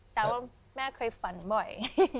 แต่ว่าแม่เคยฝันบ่อย